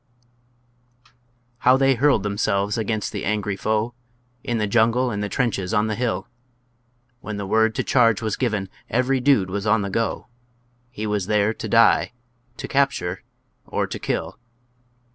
How they hurled themselves against the angry foe, In the jungle and the trenches on the hill! When the word to charge was given, every dude was on the go He was there to die, to capture, or to kill!